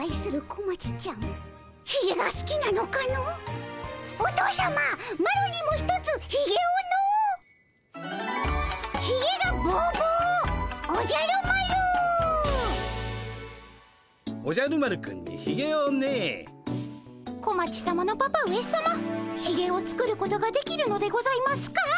小町さまのパパ上さまひげを作ることができるのでございますか？